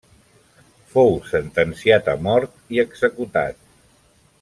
Fou sentenciat a mort i executat.